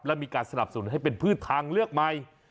และมีการสนับสนุนให้เป็นพืชทางเลือกใหม่